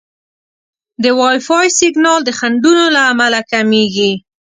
د وائی فای سیګنال د خنډونو له امله کمېږي.